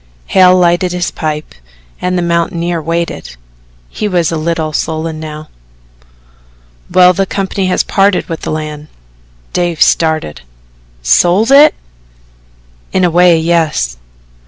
Hale lighted his pipe and the mountaineer waited he was a little sullen now. "Well, the company has parted with the land." Dave started. "Sold it?" "In a way yes."